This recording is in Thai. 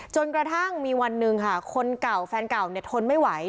จนกระทั่งมีวันหนึ่งค่ะคนเก่าแฟนเก่าเนี่ยทนไม่ไหว